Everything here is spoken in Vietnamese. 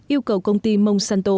yêu cầu công ty monsanto